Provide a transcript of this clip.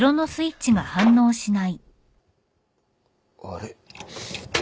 あれ？